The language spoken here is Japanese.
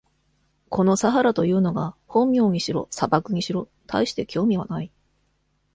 このサハラというのが本名にしろ、砂漠にしろ、たいして興味はない。